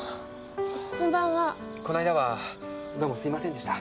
この間はどうもすいませんでした。